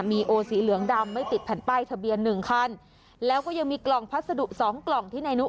มีโอสีเหลืองดำไม่ติดแผ่นป้ายทะเบียนหนึ่งคันแล้วก็ยังมีกล่องพัสดุสองกล่องที่นายนุ